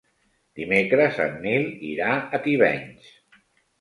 Dimecres en Nil irà a Tivenys.